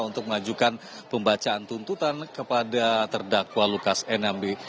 untuk mengajukan pembacaan tuntutan kepada terdakwa lukas nmb